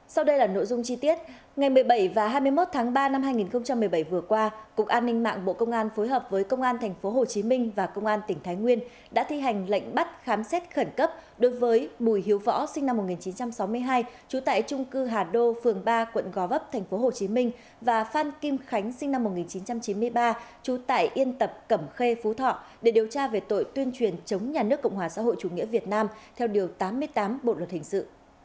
sau đây là nội dung chi tiết ngày một mươi bảy và hai mươi một tháng ba năm hai nghìn một mươi bảy vừa qua cục an ninh mạng bộ công an phối hợp với công an tp hcm và công an tỉnh thái nguyên đã thi hành lệnh bắt khám xét khẩn cấp đối với bùi hiếu võ sinh năm một nghìn chín trăm sáu mươi hai chú tại trung cư hà đô phường ba quận gò vấp tp hcm và phan kim khánh sinh năm một nghìn chín trăm chín mươi ba chú tại yên tập cẩm khê phú thọ để điều tra về tội tuyên truyền chống nhà nước cộng hòa xã hội chủ nghĩa việt nam theo điều tám mươi tám bộ luật hình sự